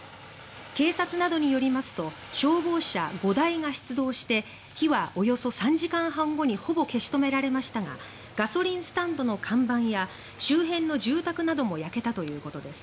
警察などによりますと消防車５台が出動して火はおよそ３時間半後にほぼ消し止められましたがガソリンスタンドの看板や周辺の住宅なども焼けたということです。